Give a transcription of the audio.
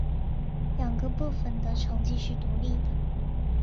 两个部分的成绩是独立的。